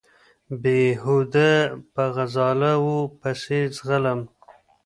بېهوده په غزاله وو پسې ځغلم